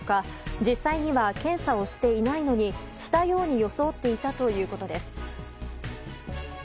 実際には検査をしていないのにしたように装っていたということです。